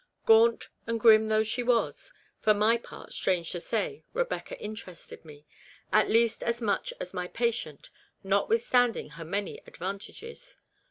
Gaunt and grim though she was, for my part, strange to say, Rebecca interested me, at least as much as my patient, notwithstanding her many advantages.